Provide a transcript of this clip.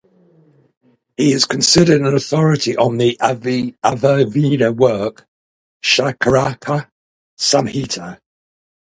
He is considered an authority on the Ayurveda work "Charaka Samhita".